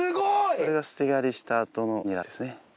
それが捨て刈りしたあとのニラですね。